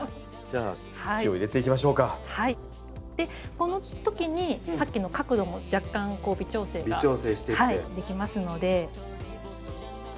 このときにさっきの角度も若干微調整ができますので。